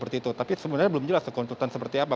tapi sebenarnya belum jelas konsultan seperti apa